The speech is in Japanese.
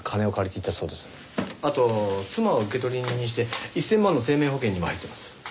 あと妻を受取人にして１０００万の生命保険にも入っています。